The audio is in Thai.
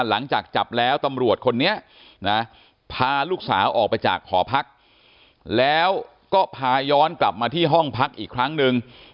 หลังจากจับแล้วตำรวจคนนี้นะพาลูกสาวออกไปจากหอพักแล้วก็พาย้อนกลับมาที่ห้องพักอีกครั้งหนึ่ง